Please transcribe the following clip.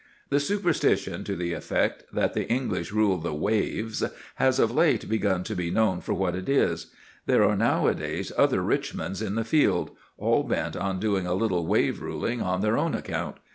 The superstition to the effect that the English rule the waves has of late begun to be known for what it is. There are nowadays other Richmonds in the field, all bent on doing a little wave ruling on their own account.